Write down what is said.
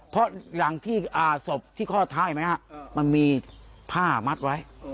เพราะหลังสบที่ข้อท้ายมีผ้ามัดไว้